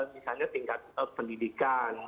misalnya tingkat pendidikan